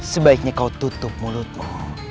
sebaiknya kau tutup mulutmu